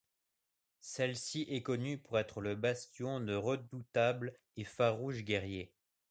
Celle ci est connue pour être le bastion de redoutables et farouches guerriers.